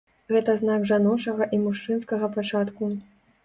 Гэта знак жаночага і мужчынскага пачатку.